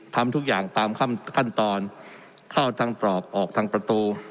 ทำทุกอย่างตามขั้นตอนเข้าทางตรอกออกทางประตู